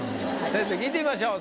先生に聞いてみましょう。